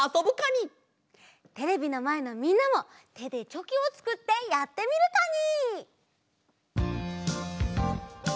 テレビのまえのみんなもてでチョキをつくってやってみるカニ！